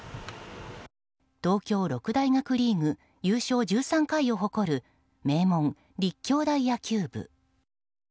東京六大学リーグ優勝１３回を誇る名門・立教大野球部。